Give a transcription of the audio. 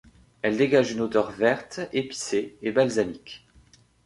Elle dégage une odeur verte, épicée et balsamique.